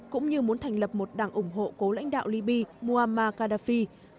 cũng như muốn thành lập một đảng ủng hộ cố lãnh đạo libby muammar gaddafi